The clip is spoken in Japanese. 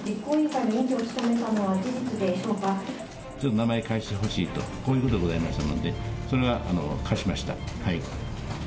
ちょっと名前貸してほしいと、こういうことがございましたので、それは貸しました。